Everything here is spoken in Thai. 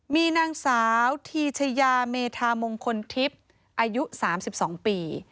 มีนางสาวทีชายาเมธามงคลทิพย์อายุ๓๒ปี